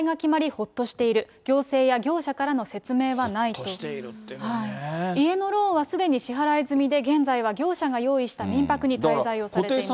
ほっとしているっていうのも家のローンはすでに支払い済みで、現在は業者が用意した民泊に滞在をされています。